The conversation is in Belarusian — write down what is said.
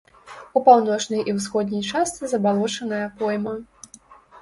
У паўночнай і ўсходняй частцы забалочаная пойма.